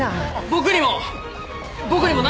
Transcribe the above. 僕にも！